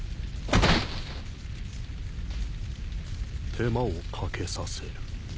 手間をかけさせる。